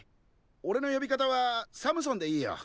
おれの呼び方はサムソンでいいよ。